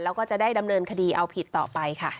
แล้วก็จะได้ดำเนินคดีเอาผิดต่อไปค่ะ